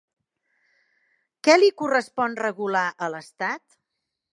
Què li correspon regular a l'Estat?